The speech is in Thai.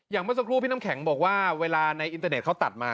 เมื่อสักครู่พี่น้ำแข็งบอกว่าเวลาในอินเตอร์เน็ตเขาตัดมา